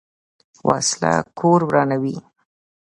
وسله کور ورانوي